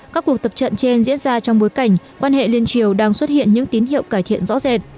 các cuộc tập trận trên diễn ra trong bối cảnh quan hệ liên triều đang xuất hiện những tín hiệu cải thiện rõ rệt